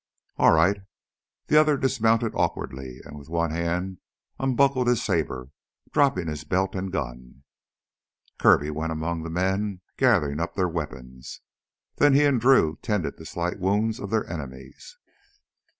"All right." The other dismounted awkwardly, and with one hand unbuckled his saber, dropping his belt and gun. Kirby went among the men gathering up their weapons. Then he and Drew tended the slight wounds of their enemies.